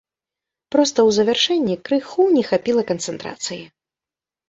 Проста ў завяршэнні крыху не хапіла канцэнтрацыі.